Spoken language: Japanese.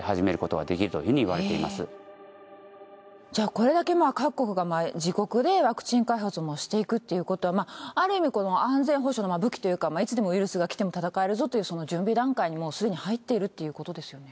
これだけ各国が自国でワクチン開発もしていくっていうことはある意味この安全保障の武器というかいつでもウイルスが来ても闘えるぞというその準備段階にもうすでに入っているっていうことですよね。